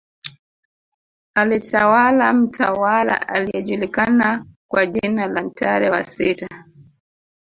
Alitawala mtawala aliyejulikana kwa jina la Ntare wa sita